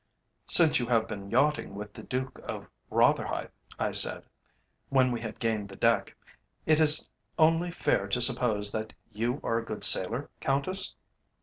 "Since you have been yachting with the Duke of Rotherhithe," I said, when we had gained the deck, "it is only fair to suppose that you are a good sailor, Countess?"